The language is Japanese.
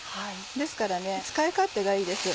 ですから使い勝手がいいです。